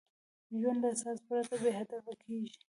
ژوند له اساس پرته بېهدفه کېږي.